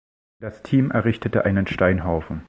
Das Team errichtete einen Steinhaufen.